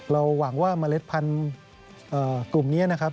หวังว่าเมล็ดพันธุ์กลุ่มนี้นะครับ